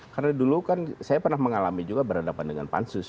karena dulu kan saya pernah mengalami juga berhadapan dengan pansus